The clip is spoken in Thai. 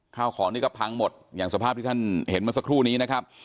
ข้าวของนี่ก็พังหมดอย่างสภาพที่ท่านเห็นเมื่อสักครู่นี้นะครับ